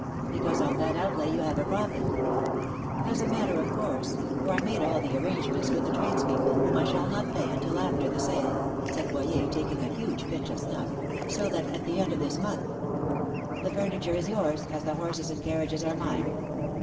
"Because on that outlay you have a profit." "As a matter of course; for I made all the agreements with the tradespeople, whom I shall not pay until after the sale," said Boyer, taking a huge pinch of snuff; "so that at the end of this month " "The furniture is yours, as the horses and carriages are mine."